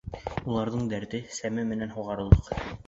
Уларҙың дәрте, сәме менән һуғарылдыҡ.